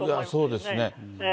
そうですね。